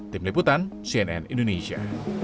tim liputan cnn indonesia